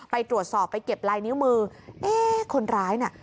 ไปตรวจสอบไปเก็บลายนิ้วมือเอ๊ะคนร้ายน่ะ